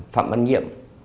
phạm văn nhiệm